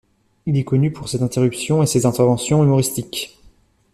Il est connu pour ses interruptions et ses interventions humoristiques.